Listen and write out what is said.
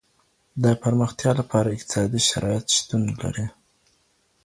د پرمختیا لپاره اقتصادي شرایط شتون لري.